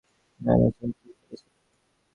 বেশ, আমি একবার একটা খেলনা ডায়নোসর খেয়ে ফেলেছিলাম।